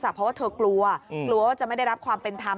เพราะว่าเธอกลัวกลัวว่าจะไม่ได้รับความเป็นธรรม